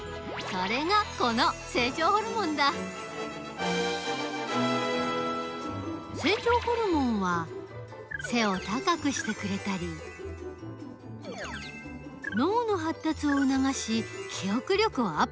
それがこの成長ホルモンだ成長ホルモンは背を高くしてくれたり脳のはったつをうながし記憶力をアップさせたりする。